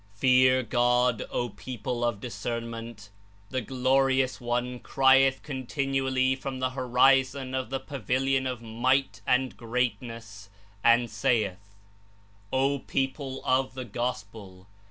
"Fear God, O people of discernment. The Glori ous One crieth continually from the horizon of the pavilion of Might and Greatness and saith, 'O peo ple of the Gospel